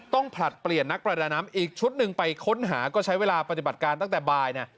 ผลัดเปลี่ยนนักประดาน้ำอีกชุดหนึ่งไปค้นหาก็ใช้เวลาปฏิบัติการตั้งแต่บ่าย